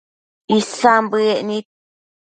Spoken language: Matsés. Isan bëec nid